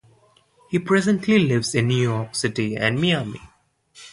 He presently lives in New York City and Miami.